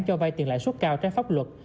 cho vai tiền lại suốt cao trái pháp luật